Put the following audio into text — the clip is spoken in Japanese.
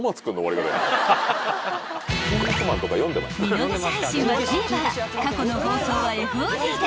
［見逃し配信はＴＶｅｒ過去の放送はＦＯＤで］